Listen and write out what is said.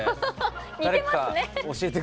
似てますね。